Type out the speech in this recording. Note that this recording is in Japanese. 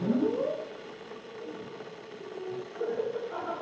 だって、こっち分さ。